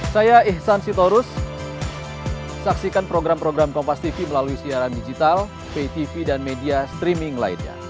saya ihsan sitorus saksikan program program kompastv melalui siaran digital ptv dan media streaming lainnya